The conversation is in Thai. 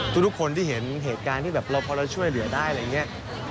ทุกคนที่เห็นเหตุการณ์ที่แบบเราพอเราช่วยเหลือได้อะไรอย่างนี้